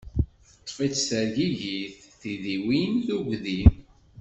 Teṭṭef-itt tergigit, tidiwin, tugdi.